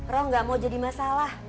roh gak mau jadi masalah